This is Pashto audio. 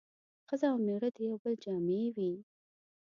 ښځه او مېړه د يو بل جامې وي